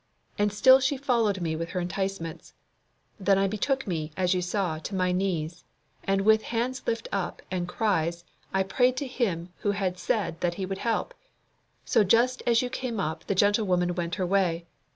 And still she followed me with her enticements. Then I betook me, as you saw, to my knees, and with hands lift up and cries, I prayed to Him who had said that He would help. So just as you came up the gentlewoman went her way.